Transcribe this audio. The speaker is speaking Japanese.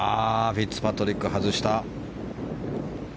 フィッツパトリック、外した。